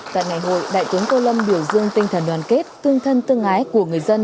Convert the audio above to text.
tại ngày hội đại tướng tô lâm biểu dương tinh thần đoàn kết tương thân tương ái của người dân